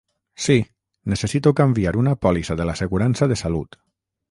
Sí, necessito canviar una pòlissa de l'assegurança de salut.